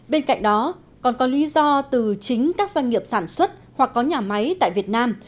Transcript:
bên cạnh đó còn có lý do từ chính các doanh nghiệp sản xuất hoặc có nhà máy tại việt nam